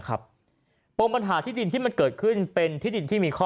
ปมปัญหาที่ดินที่มันเกิดขึ้นเป็นที่ดินที่มีข้อ